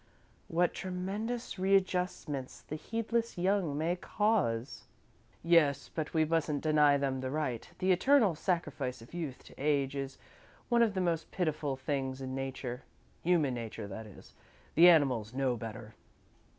"What tremendous readjustments the heedless young may cause!" "Yes, but we mustn't deny them the right. The eternal sacrifice of youth to age is one of the most pitiful things in nature human nature, that is. The animals know better."